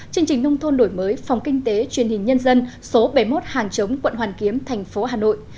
chương trình nông thôn đổi mới phòng kinh tế truyền hình nhân dân số bảy mươi một hàng chống quận hoàn kiếm thành phố hà nội